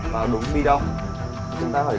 vào đúng bi đông chúng ta phải